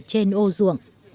trên ô ruộng